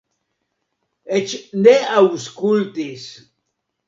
Eĉ ne aŭskultis.